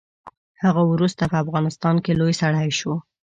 هغه وروسته په افغانستان کې لوی سړی شو.